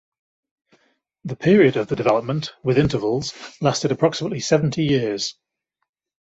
The period of the development, with intervals, lasted approximately seventy years.